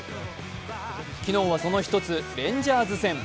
昨日はその１つ、レンジャーズ戦。